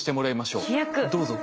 どうぞ。